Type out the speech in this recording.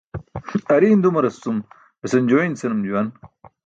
Ariin dumaras cum besan jooin senum juwan.